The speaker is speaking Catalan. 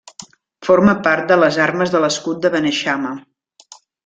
Forma part de les armes de l'escut de Beneixama.